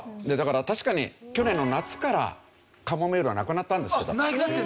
だから確かに去年の夏からかもめるはなくなったんですけど。